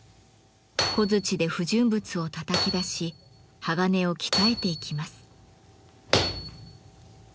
小づちで不純物をたたき出し鋼を鍛えていきます。